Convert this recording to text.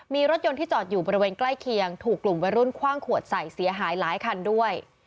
มีรถยนต์ที่จอดอยู่บริเวณใกล้เคียงถูกกลุ่มวัยรุ่นคว่างขวดใส่เสียหายหลายคันด้วย